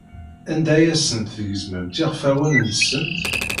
Anda ay asent-tgezmemt iɣfawen-nsent?